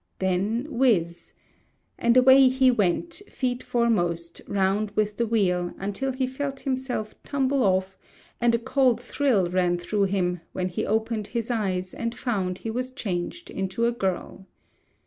Then whiz and away he went, feet foremost, round with the wheel, until he felt himself tumble off and a cold thrill ran through him, when he opened his eyes and found he was changed into a girl.